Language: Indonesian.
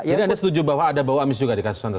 jadi anda setuju bahwa ada bahwa amis juga di kasus antasari